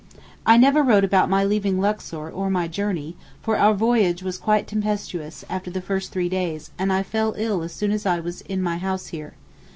I never wrote about my leaving Luxor or my journey, for our voyage was quite tempestuous after the three first days and I fell ill as soon as I was in my house here.